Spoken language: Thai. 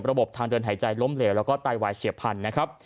ระบบทางเดินหายใจล้มเหลวแล้วก็ไตวายเฉียบพันธุ์นะครับ